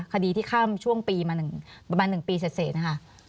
คดีที่ข้ามช่วงปีมาประมาณหนึ่งปีเศษนะคะ